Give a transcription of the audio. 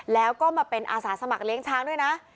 แล้วก็มาเป็นอาสาสมัครเลี้ยงช้างด้วยนะ